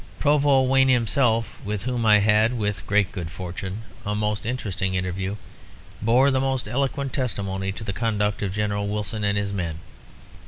"Provost Wayne himself, with whom I had, with great good fortune, a most interesting interview, bore the most eloquent testimony to the conduct of General Wilson and his men.